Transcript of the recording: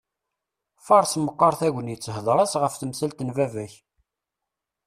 Faṛes meqqaṛ tagnitt, hḍeṛ-as ɣef temsalt n baba-k!